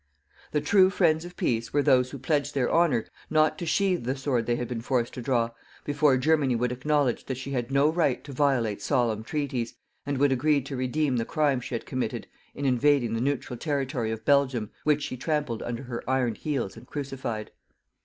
The TRUE friends of PEACE were those who pledged their honour not to sheathe the sword they had been forced to draw before Germany would acknowledge that she had no right to violate solemn treaties, and would agree to redeem the crime she had committed in invading the neutral territory of Belgium which she trampled under her ironed heels and crucified.